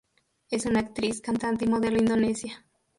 Es una actriz, cantante y modelo indonesia.